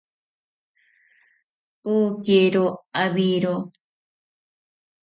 Pokero awiro.